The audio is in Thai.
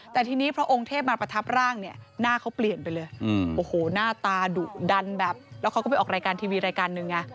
แต่ทีนี้พระองค์เทพมาประทับร่างเนี่ยหน้าเขาเปลี่ยนไปเลยโอ้โหหน้าตาดุดันแบบแล้วเขาก็ไปออกรายการทีวีรายการหนึ่งไง